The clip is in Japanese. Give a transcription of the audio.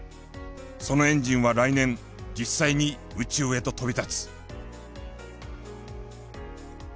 そのエンジンは来年実際に宇宙へと飛び立つ。